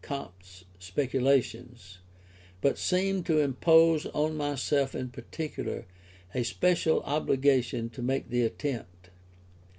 Comte's speculations, but seemed to impose on myself in particular a special obligation to make the attempt.